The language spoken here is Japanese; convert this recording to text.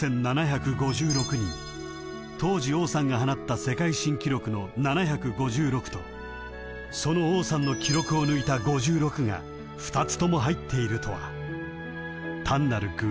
［当時王さんが放った世界新記録の７５６とその王さんの記録を抜いた５６が２つとも入っているとは単なる偶然か？